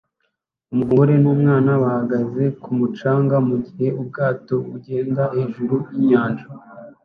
Umugore n'umwana bahagaze ku mucanga mugihe ubwato bugenda hejuru yinyanja